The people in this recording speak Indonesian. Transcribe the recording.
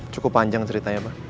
cukup panjang ceritanya pak